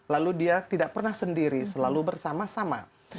lalu dia tidak pernah sendiri selalu bersama sama